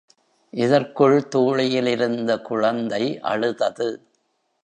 இதற்குள் தூளியில் இருந்த குழந்தை அழுதது.